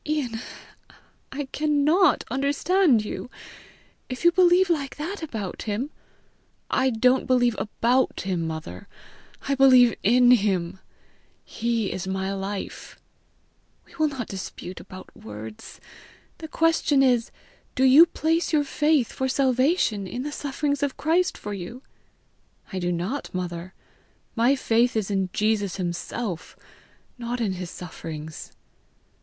"Ian, I can NOT understand you! If you believe like that about him, " "I don't believe ABOUT him, mother! I believe in him. He is my life." "We will not dispute about words! The question is, do you place your faith for salvation in the sufferings of Christ for you?" "I do not, mother. My faith is in Jesus himself, not in his sufferings."